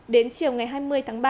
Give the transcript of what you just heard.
đến chiều ngày hai mươi tháng ba